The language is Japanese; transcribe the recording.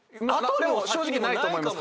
でも正直ないと思います。